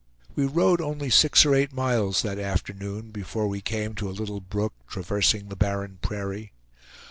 We rode only six or eight miles that afternoon before we came to a little brook traversing the barren prairie.